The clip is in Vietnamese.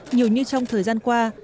nhiều như trong thời gian qua